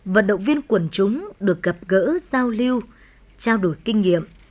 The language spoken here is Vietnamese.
vận động viên quần chúng được gặp gỡ giao lưu trao đổi kinh nghiệm